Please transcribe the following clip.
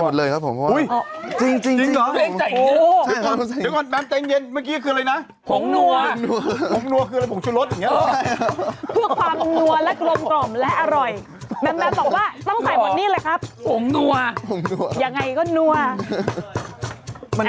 อย่างแรกครับผมก็จะเป็นนี่ครับลงหน่อยนะ